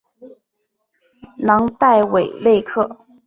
朗代韦内克。